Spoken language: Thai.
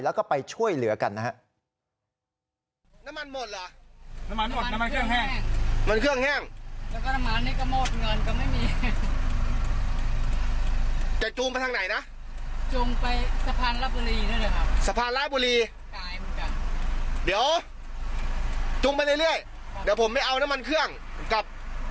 แล้วก็ไปช่วยเหลือกันนะฮะ